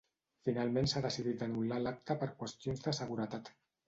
Finalment s’ha decidit d’anul·lar l’acte per qüestions de seguretat.